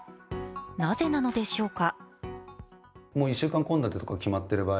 なぜなのでしょうか。